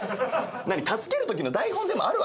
助けるときの台本でもあるわけ？